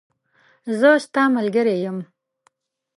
زه ستاملګری یم .